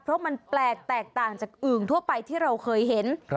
เพราะมันแปลกแตกต่างจากอึ่งทั่วไปที่เราเคยเห็น